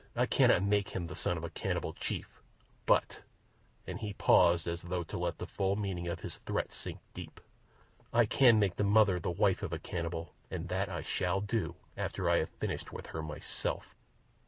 I cannot make him the son of a cannibal chief, but"—and he paused as though to let the full meaning of his threat sink deep—"I can make the mother the wife of a cannibal, and that I shall do—after I have finished with her myself."